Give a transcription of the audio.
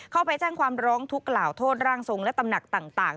เข้าไปแจ้งความร้องทุกข์กล่าวโทษร่างทรงและตำหนักต่าง